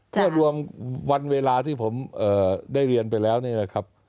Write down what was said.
เมื่อรวมวันเวลาที่ผมได้เรียนไปแล้วนี่นะครับ